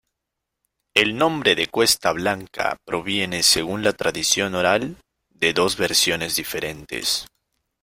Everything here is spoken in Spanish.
El nombre de Cuesta Blanca proviene, según la tradición oral, de dos versiones diferentes.